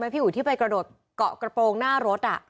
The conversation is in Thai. พี่อุ๋ยที่ไปกระโดดเกาะกระโปรงหน้ารถ